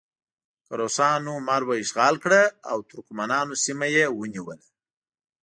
که روسانو مرو اشغال کړه او ترکمنانو سیمه یې ونیوله.